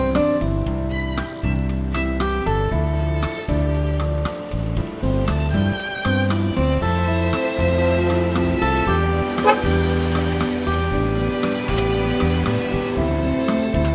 untuk algoritma tangguh di tangga